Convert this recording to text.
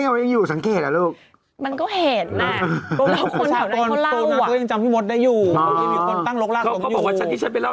ต้องเล่าคนของชายเขาเล่า